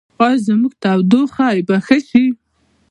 ایا زما ټوخی به ښه شي؟